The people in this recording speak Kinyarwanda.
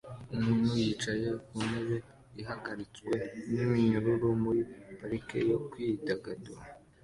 Umuntu yicaye ku ntebe ihagaritswe n'iminyururu muri parike yo kwidagadura